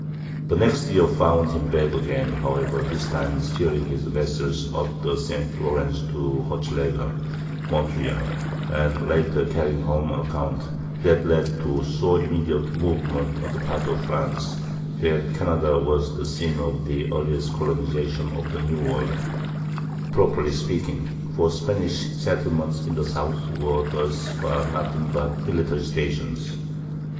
The next year found him back again, however, this time steering his vessels up the St. Lawrence to "Hochelaga" (Montreal), and later carrying home an account that led to so immediate a movement on the part of France that Canada was the scene of the earliest colonization of the New World, properly speaking, for the Spanish settlements in the south were thus far nothing but military stations.